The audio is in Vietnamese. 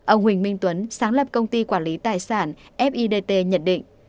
ông huỳnh minh tuấn sáng lập công ty quản lý tài sản fid nhận định